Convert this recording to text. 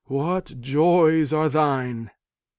what joys were thine !